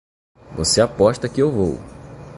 Você aposta que eu vou!